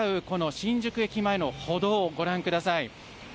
この新宿駅前の歩道、ご覧ください。